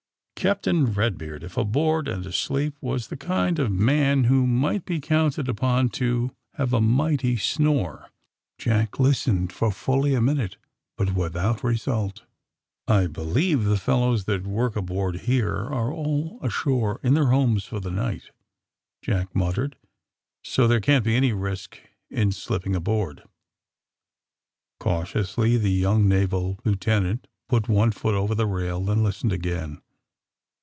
Captain Eed beard, if aboard and asleep, was the kind of man who might be counted upon to have a mighty snore. Jack listened for fully a minute, but without result. *^I believe the fellows that work aboard here 60 THE SUBMARINE BOYS are all ashore in their homes for the night," Jack muttered, '*so there can't be any risk in slipping aboard." Cautionsly the yonng naval lieutenant put one foot over the rail, than listened again.